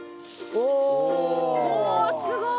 おすごい。